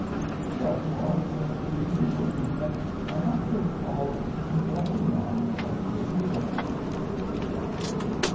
Therefore the judicial precepts are not so called from directing man as to his neighbor.